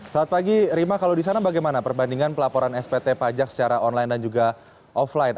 selamat pagi rima kalau di sana bagaimana perbandingan pelaporan spt pajak secara online dan juga offline